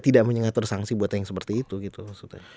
kamu mengatur sanksi buat yang seperti itu gitu maksudnya